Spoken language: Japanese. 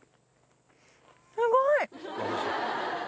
すごい！